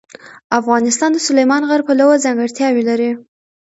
افغانستان د سلیمان غر پلوه ځانګړتیاوې لري.